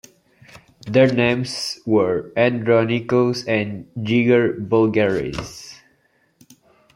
Their names were Andronicos and Jigger Bulgaris.